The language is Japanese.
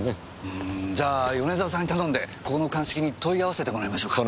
うーんじゃあ米沢さんに頼んでここの鑑識に問い合わせてもらいましょうか。